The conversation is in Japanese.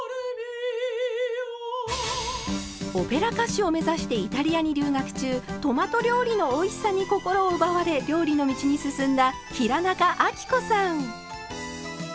オペラ歌手を目指してイタリアに留学中トマト料理のおいしさに心を奪われ料理の道に進んだ平仲亜貴子さん。